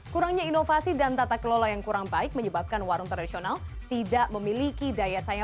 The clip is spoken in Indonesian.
kurangnya inovasi dan tata kelola yang kurang baik menyebabkan warung tradisional tidak memiliki daya sayang